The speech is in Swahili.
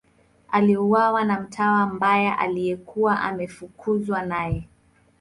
Aliuawa na mtawa mbaya aliyekuwa ameafukuzwa naye.